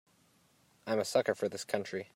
I'm a sucker for this country.